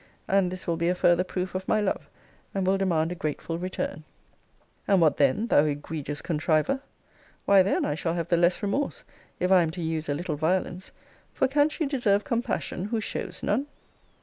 And this will be a further proof of my love, and will demand a grateful return And what then, thou egregious contriver? Why then I shall have the less remorse, if I am to use a little violence: for can she deserve compassion, who shows none?